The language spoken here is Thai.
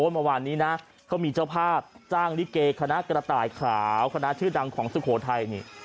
เมื่อวานนี้นะเขามีเจ้าภาพจ้างลิเกคณะกระต่ายขาวคณะชื่อดังของสุโขทัยนี่